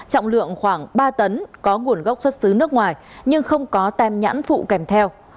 trọng lượng khoảng ba tấn có nguồn gốc xuất xứ nước ngoài nhưng không có tem nhãn phụ kèm theo